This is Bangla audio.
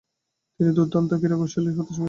তিনি দূর্দান্ত ক্রীড়াশৈলী প্রদর্শন করেছিলেন।